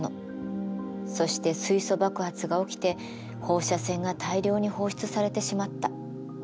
そして水素爆発が起きて放射線が大量に放出されてしまった。